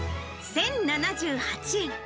１０７８円。